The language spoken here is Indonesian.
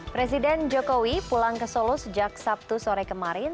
presiden jokowi pulang ke solo sejak sabtu sore kemarin